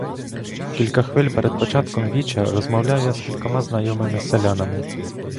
Кілька хвиль перед початком віча розмовляв я з кількома знайомими селянами.